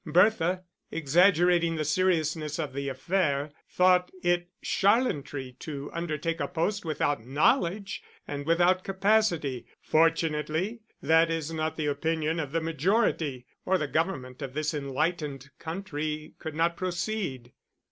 Bertha, exaggerating the seriousness of the affair, thought it charlantry to undertake a post without knowledge and without capacity. Fortunately that is not the opinion of the majority, or the government of this enlightened country could not proceed.